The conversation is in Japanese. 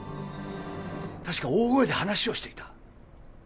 確か大声で話をしていた。